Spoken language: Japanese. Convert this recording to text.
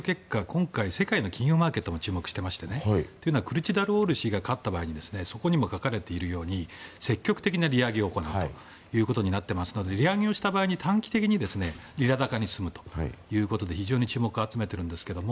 今回、世界の金融マーケットも注目していましてというのはクルチダルオール氏が勝った場合そこにも書かれているように積極的な利上げを行うということになっていますので利上げをした場合、短期的にリラ高に進むということで非常に注目を集めているんですけど